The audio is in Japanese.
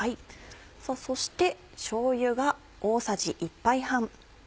そしてしょうゆが大さじ１杯半。